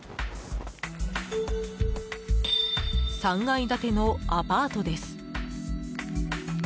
３階建てのアパートです。